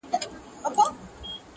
له هوا یوه کومول کښته کتله.!